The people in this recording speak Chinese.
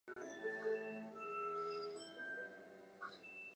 当时的法律规定男人的泳装要由肚脐盖大腿膝盖处。